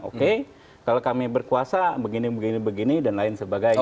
oke kalau kami berkuasa begini begini dan lain sebagainya